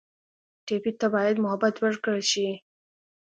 ټپي ته باید محبت ورکړل شي.